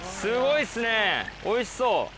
おいしそう。